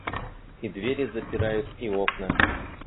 И двери запирают, и окна.